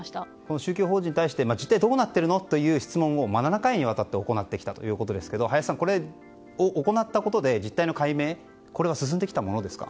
宗教法人に対して実態どうなっているのという質問を７回にわたって行ってきたということですけど林さん、これを行ったことで実態の解明は進んできたものですか？